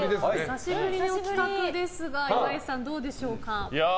久しぶりの企画ですが岩井さん、どうでしょうか。